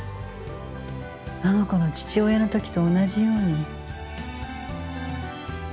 あの子の父親の時と同じように。